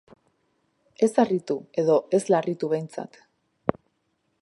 Ez harritu, edo ez larritu behintat.